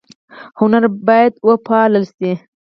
هنر باید وپال ل شي